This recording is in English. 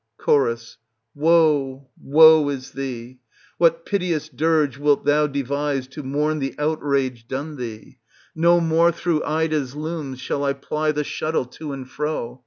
Cho. Woe, woe is thee ! What piteous dirge wilt thou devise to mourn the outrage done thee? No more through Ida's looms shall I ply the shuttle to and fro.